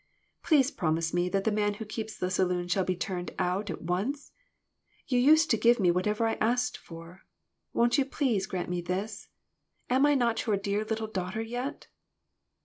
Please promise me that the man who keeps the saloon shall be turned out at once. You used to give me whatever I asked for. Won't you please grant me this ? Am I not your dear little daughter yet